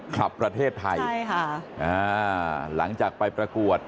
กลับประเทศไทยใช่ค่ะอ่าหลังจากไปประกวด